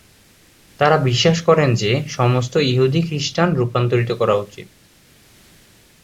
তারা বিশ্বাস করে যে সমস্ত ইহুদি খ্রিস্টান রূপান্তরিত করা উচিত।